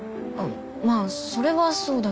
まあそれはそうだけど。